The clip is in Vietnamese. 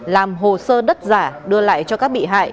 làm hồ sơ đất giả đưa lại cho các bị hại